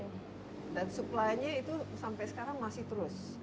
dan supply nya itu sampai sekarang masih terus